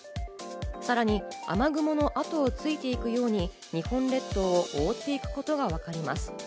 さらに雨雲の後をついていくように、日本列島を覆っていくことがわかります。